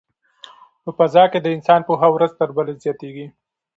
په فضا کې د انسان پوهه ورځ تر بلې زیاتیږي.